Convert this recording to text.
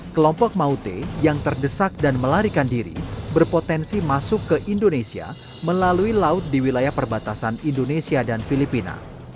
kelompok maute yang terdesak dan melarikan diri berpotensi masuk ke indonesia melalui laut di wilayah perbatasan indonesia dan filipina